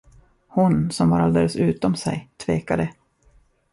Hon, som var alldeles utom sig, tvekade.